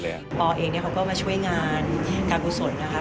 เลยอ่ะโปเอกเเ้เนี่ยเค้าเค้ามาช่วยงานการผู้สนนะครับ